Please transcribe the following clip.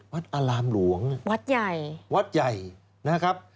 อารามหลวงวัดใหญ่วัดใหญ่นะครับ